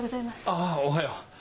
あぁおはよう。